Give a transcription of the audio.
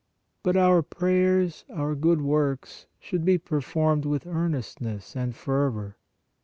But our prayers, our good works should be performed with earnestness and fervor.